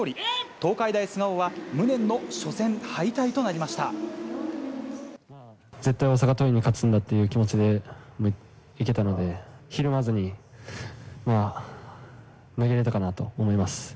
東海大菅生は、無念の初戦敗退と絶対、大阪桐蔭に勝つんだという気持ちでいけたので、ひるまずに、投げれたかなと思います。